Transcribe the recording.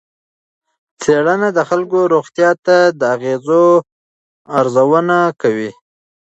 څېړنه د خلکو روغتیا ته د اغېزو ارزونه کوي.